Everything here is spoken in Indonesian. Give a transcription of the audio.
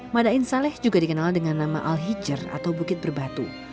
madain saleh juga dikenal dengan nama al hijr atau bukit berbatu